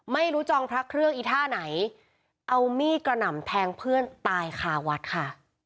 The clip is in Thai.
จองพระเครื่องอีท่าไหนเอามีดกระหน่ำแทงเพื่อนตายคาวัดค่ะ